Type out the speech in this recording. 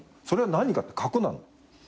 それは何かって核なの。